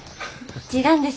違うんです